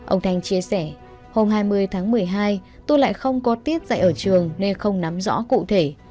ông thanh chia sẻ hôm hai mươi tháng một mươi hai tôi lại không có tiết dạy ở trường nên không nắm rõ cụ thể